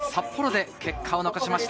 地元・札幌で結果を残しました。